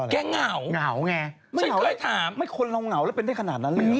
แกเหงาห์ชันเคยถามชันเหทามว่าไม่บอกว่าคนเราน่าวแล้วเป็นได้ขนาดนั้นเลย